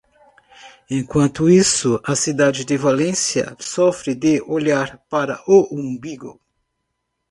Enquanto isso, a cidade de Valência sofre de "olhar para o umbigo".